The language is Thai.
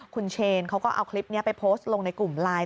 คุณเชนเขาก็เอาคลิปนี้ไปโพสต์ลงในกลุ่มไลน์